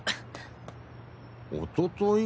おととい？